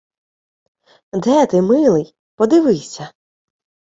Де ти, милий? Подивися —